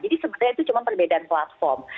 sebenarnya itu cuma perbedaan platform